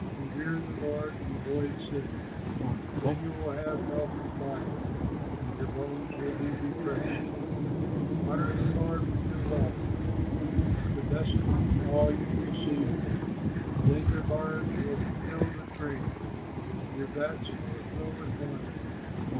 Revere the Lord, and avoid sin. Then you will have health of body And your bones will be refreshed. Honor the Lord with your wealth, With the best of all you receive, Then your barns will be filled with grain, And your vats overflow with wine.